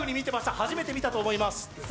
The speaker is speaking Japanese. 初めて見てたと思います。